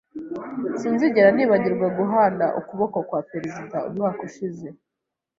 Sinzigera nibagirwa guhana ukuboko kwa Perezida umwaka ushize.